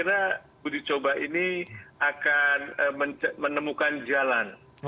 saya kira uji coba ini akan menemukan jalan